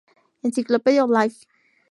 Encyclopedia of Life